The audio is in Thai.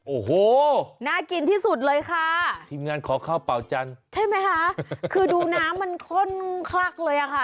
โอ้โหน่ากินที่สุดเลยค่ะทีมงานขอข้าวเป่าจันทร์ใช่ไหมคะคือดูน้ำมันข้นคลักเลยอ่ะค่ะ